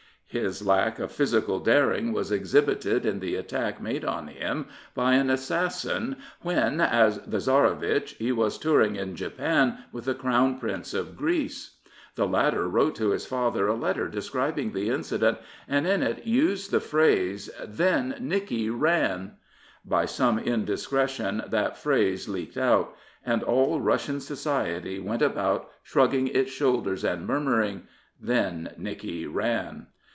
His lack of physical daring was exhibited in the attack made on him by an assassin when, as the Tsarevitch, he was touring in Japan with the Crown Prince of Greece. The latter wrote to his father a letter describing the incident, and in it used the phrase, " Then Nickie ran." By some indiscretion that phrase leaked out, and all Russian society went about shrugging its shoulders and murmuring, " Then Nickie ran."